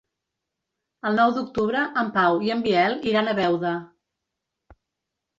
El nou d'octubre en Pau i en Biel iran a Beuda.